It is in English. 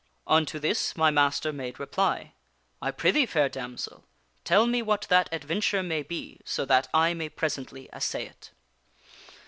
" Unto this my master made reply ' I prithee, fair damsel, tell me what that adventure may be so that I may presently assay it.'